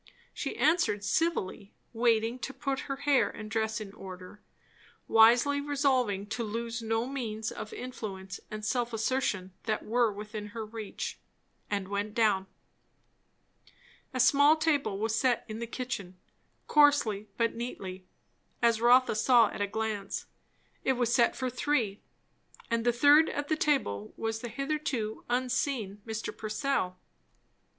She answered civilly; waited to put her hair and dress in order, wisely resolving to lose no means of influence and self assertion that were within her reach; and went down. A small table was set in the kitchen, coarsely but neatly, as Rotha saw at a glance. It was set for three; and the third at the table was the hitherto unseen Mr. Purcell.